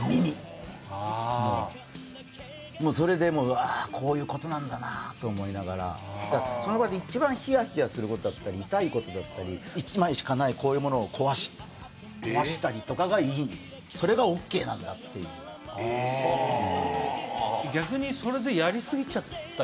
もうそれでうわこういうことなんだなと思いながらその場で一番ヒヤヒヤすることだったり痛いことだったり１枚しかないこういうものを壊したりとかがいいそれがＯＫなんだっていうはあ逆にそれでないんですか？